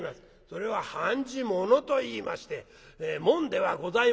それは判じ物といいまして紋ではございません」。